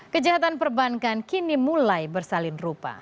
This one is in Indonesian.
kejahatan perbankan kini mulai bersalin rupa